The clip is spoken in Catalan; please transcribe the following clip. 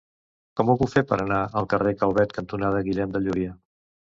Com ho puc fer per anar al carrer Calvet cantonada Guillem de Llúria?